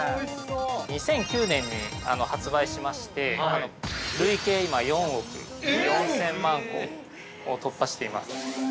◆２００９年に発売しまして、累計今、４億４０００万個を突破しています。